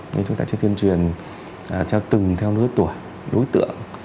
nên chúng ta sẽ tuyên truyền từng theo nửa tuổi đối tượng